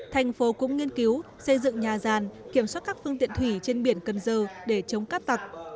thành phố cũng nghiên cứu xây dựng nhà ràn kiểm soát các phương tiện thủy trên biển cần giờ để chống cát tặc